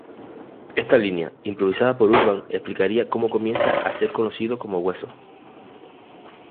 Esta linea, improvisada por Urban explicaría como comienza a ser conocido como Huesos.